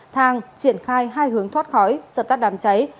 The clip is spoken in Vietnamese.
thang triển khai hai hướng thoát khói dập tắt đám cháy